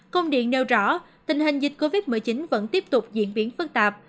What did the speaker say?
công điện nêu rõ tình hình dịch covid một mươi chín vẫn tiếp tục diễn biến phức tạp